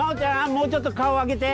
もうちょっと顔上げて。